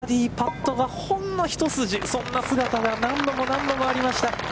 ４日目と、ずっとバーディーパットがほんの一筋、そんな姿が何度も何度もありました。